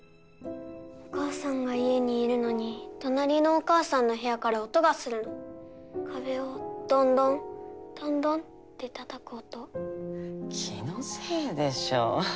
お母さんが家にいるのに隣のお母さんの部屋から音がするの壁をドンドンドンドンって叩く音気のせいでしょ